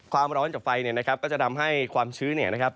ความร้อนจากไฟเนี่ยนะครับก็จะทำให้ความชื้นเนี่ยนะครับ